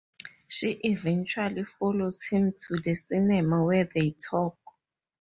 She eventually follows him to the cinema where they talk.